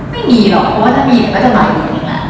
ไม่มีเหรอเพราะว่าถ้ามีก็อร่อยเหมือนกันแหละ